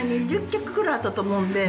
２０客ぐらいあったと思うので。